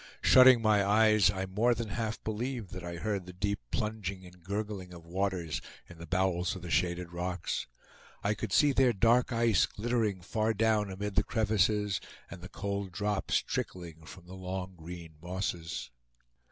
Shutting my eyes, I more than half believed that I heard the deep plunging and gurgling of waters in the bowels of the shaded rocks. I could see their dark ice glittering far down amid the crevices, and the cold drops trickling from the long green mosses.